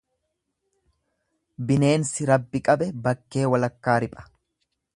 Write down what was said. Bineensi Rabbi qabe bakkee walakkaa ripha.